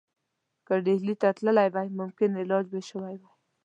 که ډهلي ته تللی وای ممکن علاج به شوی وای.